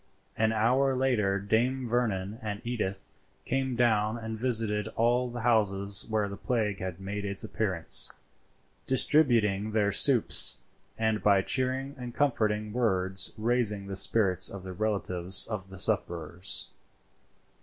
An hour later Dame Vernon and Edith came down and visited all the houses where the plague had made its appearance, distributing their soups, and by cheering and comforting words raising the spirits of the relatives of the sufferers.